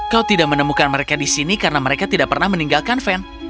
kau tidak menemukan mereka di sini karena mereka tidak pernah meninggalkan van